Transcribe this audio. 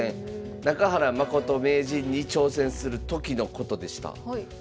中原誠名人に挑戦する時のことでした。